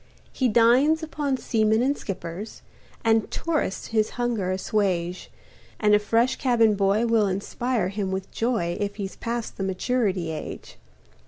He dines upon seamen and skippers, And tourists his hunger assuage, And a fresh cabin boy will inspire him with joy If he's past the maturity age.